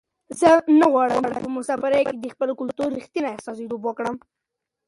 زه غواړم چې په مسافرۍ کې د خپل کلتور رښتنې استازیتوب وکړم.